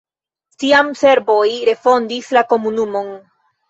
Tiam serboj refondis la komunumon.